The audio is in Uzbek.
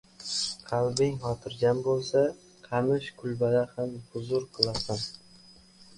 • Qalbing xotirjam bo‘lsa, qamish kulbada ham huzur qilasan.